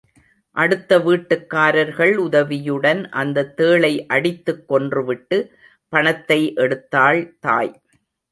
அடுத்த வீட்டுக்காரர்கள் உதவியுடன் அந்தத் தேளை அடித்துக் கொன்று விட்டு, பணத்தை எடுத்தாள் தாய்.